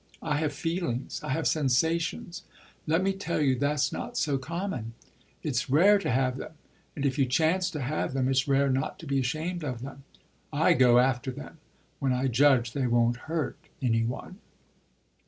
I have feelings, I have sensations: let me tell you that's not so common. It's rare to have them, and if you chance to have them it's rare not to be ashamed of them. I go after them when I judge they won't hurt any one."